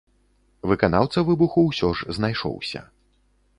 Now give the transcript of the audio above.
Выканаўца выбуху ўсё ж знайшоўся.